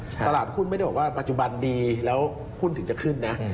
ตลาดหุ้นไม่ได้บอกว่าปัจจุบันดีแล้วหุ้นถึงจะขึ้นนะ